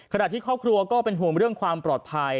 ที่ครอบครัวก็เป็นห่วงเรื่องความปลอดภัย